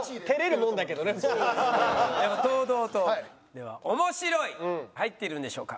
では「面白い」入ってるんでしょうか？